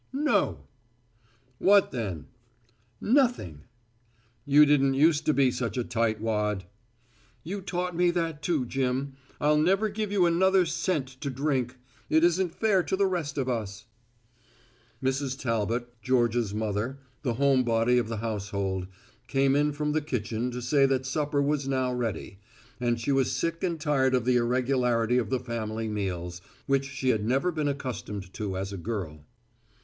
"No." "What then?" "Nothing." "You didn't use to be such a tightwad." "You taught me that, too, Jim. I'll never give you another cent to drink. It isn't fair to the rest of us." Mrs. Talbot, Georgia's mother, the homebody of the household, came in from the kitchen to say that supper was now ready and she was sick and tired of the irregularity of the family meals, which she had never been accustomed to as a girl.